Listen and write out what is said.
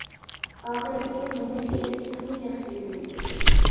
ئاخىرىدىكى مۇنۇ شېئىر تېخىمۇ ياخشى يېزىلىپتۇ.